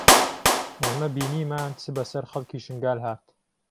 ئێمە بینیمان چ بەسەر خەڵکی شنگال هات